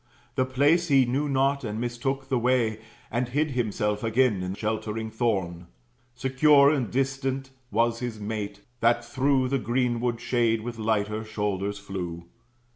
The place he knew not, and mistook the way, And hid himself again in sheltering thorn. Secure and distant was his mate, that through The greenwood shade with lighter shoulders flew.